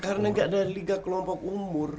karena gak ada liga kelompok umur